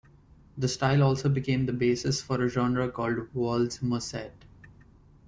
The style also became the basis for a genre called valse musette.